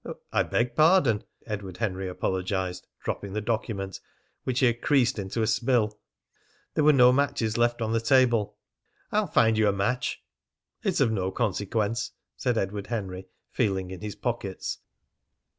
"I beg pardon," Edward Henry apologised, dropping the document which he had creased into a spill. There were no matches left on the table. "I'll find you a match." "It's of no consequence," said Edward Henry, feeling in his pockets.